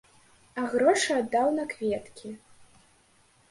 А грошы аддаў на кветкі.